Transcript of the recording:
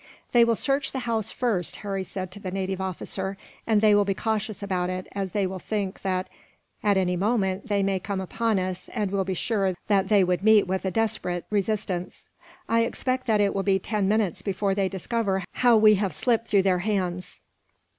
"They will search the house, first," Harry said to the native officer, "and they will be cautious about it, as they will think that at any moment they may come upon us, and will be sure that they would meet with a desperate resistance. I expect that it will be ten minutes before they discover how we have slipped through their hands."